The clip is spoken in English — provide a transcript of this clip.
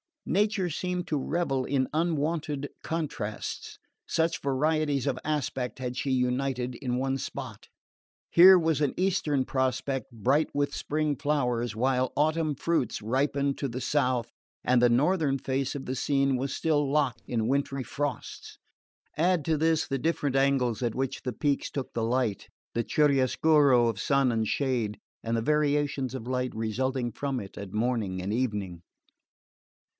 Nature seemed to revel in unwonted contrasts; such varieties of aspect had she united in one spot. Here was an eastern prospect bright with spring flowers, while autumn fruits ripened to the south and the northern face of the scene was still locked in wintry frosts...Add to this the different angles at which the peaks took the light, the chiaroscuro of sun and shade, and the variations of light resulting from it at morning and evening...